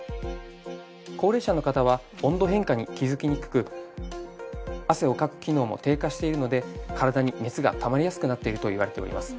高齢者の方は温度変化に気づきにくく汗をかく機能も低下しているので体に熱がたまりやすくなっているといわれております。